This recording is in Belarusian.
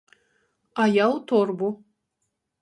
А я ў торбу.